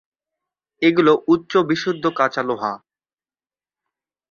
এগুলো উচ্চ বিশুদ্ধ কাঁচা লোহা।